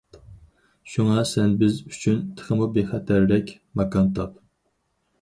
شۇڭا سەن بىز ئۈچۈن تېخىمۇ بىخەتەررەك ماكان تاپ.